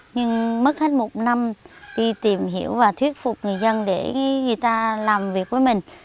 nhưng mất hết một năm đi tìm hiểu và thuyết phục người dân để người ta làm việc với mình